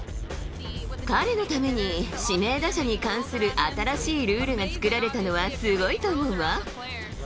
彼のために、指名打者に関する新しいルールが作られたのはすごいと思うわ。